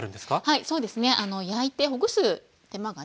はいそうですね。焼いてほぐす手間がねなくなりますよね。